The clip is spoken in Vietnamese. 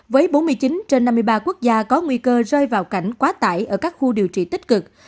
với bốn mươi chín trên năm mươi ba quốc gia có nguy cơ rơi vào cảnh quá tải ở các khu điều trị tích cực